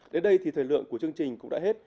đến đây thì thời lượng của chương trình cũng đã hết